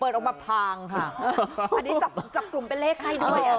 ออกมาพางค่ะอันนี้จับจับกลุ่มเป็นเลขให้ด้วยอ่ะ